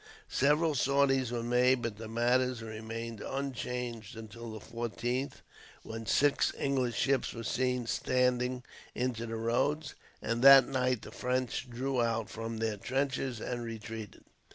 Several sorties were made, but matters remained unchanged until the 14th, when six English ships were seen standing into the roads; and that night the French drew out from their trenches, and retreated.